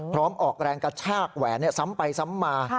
ออกแรงกระชากแหวนซ้ำไปซ้ำมา